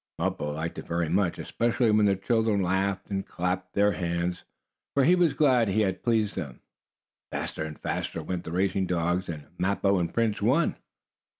Mappo liked it very much, especially when the children laughed and clapped their hands, for he was glad he had pleased them. Faster and faster went the racing dogs, and Mappo and Prince won.